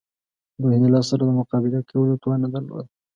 روهیله سره د مقابلې کولو توان نه درلود.